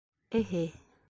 Эһе...